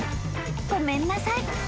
ごめんなさい］